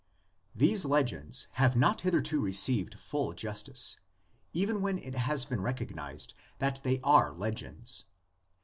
These legends have not hitherto received full jus tice, even when it has been recognised that they are legends.